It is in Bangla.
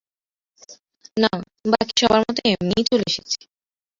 না, বাকি সবার মতো এমনিই চলে এসেছি।